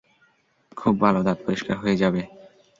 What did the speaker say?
খুব ভালো, দাঁত পরিষ্কার হয়ে যাবে।